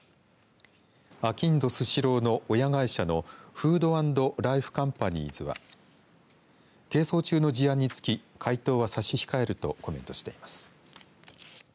あきんどスシローの親会社のフード＆ライフカンパニーズは係争中の事案につき、回答は差し控えるとコメントしています。